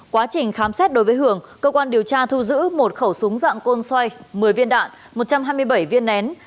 quá trình khám xét đối với hường cơ quan điều tra thu giữ một khẩu súng dạng côn xoay một mươi viên đạn một trăm hai mươi bảy viên nén